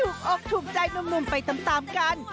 ถูกอกถูกใจหนุ่มไปตามกัน